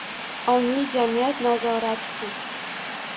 Ongli jamiyat nazoratisiz